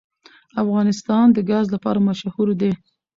افغانستان د ګاز لپاره مشهور دی.